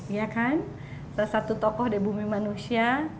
ya kan salah satu tokoh di bumi manusia